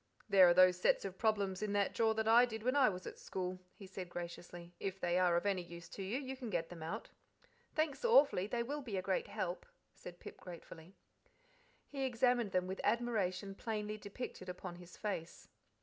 "There are those sets of problems in that drawer that I did when I was at school," he said graciously. "If they are of any use to you, you can get them out." "Thanks awfully they will be a great help," said Pip gratefully. He examined them with admiration plainly depicted upon his face.